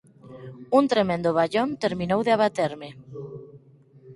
Un tremendo ballón terminou de abaterme.